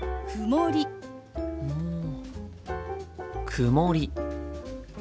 曇り。